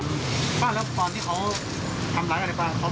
ป้าแล้วตอนที่เขาทำร้ายอะไรบ้าง